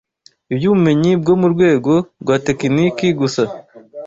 iby’ubumenyi bwo mu rwego rwa tekiniki gusa